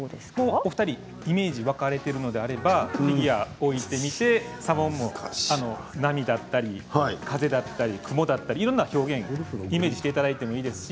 お二人イメージが湧かれているのであればフィギュアを置いて砂紋も波だったり風だったり雲だったりいろんなイメージしていただいていいです。